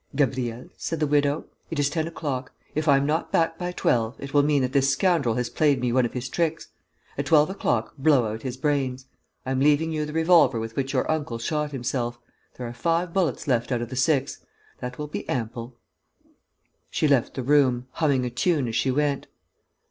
"Gabriel," said the widow, "it is ten o'clock. If I am not back by twelve, it will mean that this scoundrel has played me one of his tricks. At twelve o'clock, blow out his brains. I am leaving you the revolver with which your uncle shot himself. There are five bullets left out of the six. That will be ample." She left the room, humming a tune as she went.